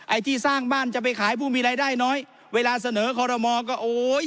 ไอ้ที่สร้างบ้านจะไปขายผู้มีรายได้น้อยเวลาเสนอคอรมอก็โอ้ย